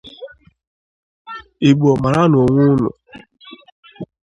Igbo mara nụ onwe ụnụ